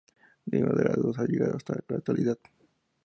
Ninguna de las dos ha llegado hasta la actualidad.